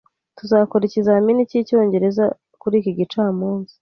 Tuzakora ikizamini cyicyongereza kuri iki gicamunsi